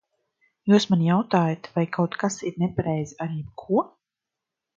Jūs man jautājat, vai kaut kas ir nepareizi ar jebko?